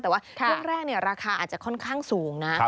แต่ว่าช่วงแรกราคาอาจจะค่อนข้างสูงนะ